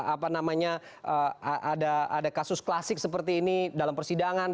apa namanya ada kasus klasik seperti ini dalam persidangan